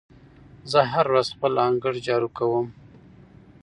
زه هره ورځ خپل انګړ جارو کوم.